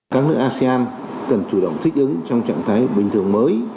các nước asean cần chủ động thích ứng trong trạng thái bình thường mới